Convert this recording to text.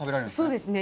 そうですね。